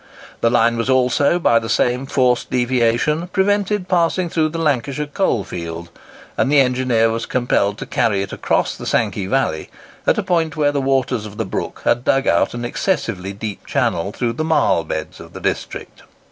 The line was also, by the same forced deviation, prevented passing through the Lancashire coal field, and the engineer was compelled to carry it across the Sankey valley, at a point where the waters of the brook had dug out an excessively deep channel through the marl beds of the district.